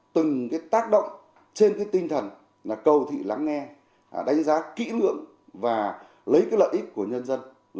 từng tác động trên tinh thần cầu thị lắng nghe đánh giá kỹ lưỡng và lấy lợi ích của nhân dân